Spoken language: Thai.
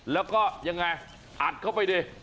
แล้วก็ยังไงอัดเข้าไปดิ